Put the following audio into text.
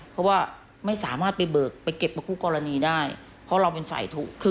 เพราะว่าไม่สามารถไปเบิกไปเก็บกับคู่กรณีได้เพราะเราเป็นฝ่ายทุกข์